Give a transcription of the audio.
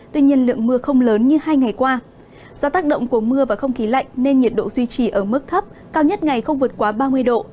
tuy nhiên lượng mưa không lớn như hai ngày qua do tác động của mưa và không khí lạnh nên nhiệt độ duy trì ở mức thấp cao nhất ngày không vượt quá ba mươi độ